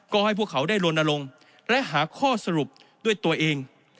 ก็ให้พวกเขาได้ลนลงและหาข้อสรุปด้วยตัวเอง